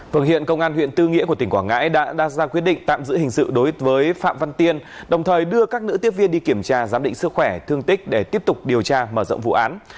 phở hiện công an huyện tư nghĩa của tỉnh quảng ngãi đã ra quyết định tạm giữ hình sự đối với phạm văn tiên đồng thời đưa các nữ tiếp viên đi kiểm tra giám định sức khỏe thương tích để tiếp tục điều tra mở rộng vụ án